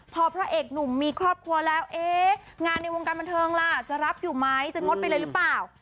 พอพระเอกหนุ่มมีครอบครัวแล้วเอ๊ะงานในวงการบันเทิงล่ะจะรับอยู่ไหมจะงดไปเลยหรือเปล่า